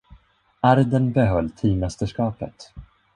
Arden behöll teammästerskapet.